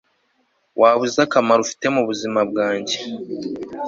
waba uzi akamaro ufite mubuzima bwanjye